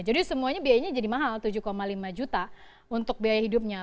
jadi semuanya biayanya jadi mahal rp tujuh lima juta untuk biaya hidupnya